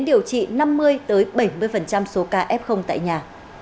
điều trị năm mươi bảy mươi số ca f tại nhà